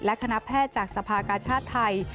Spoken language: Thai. และคณะแพทย์จากสภากาชาติไทย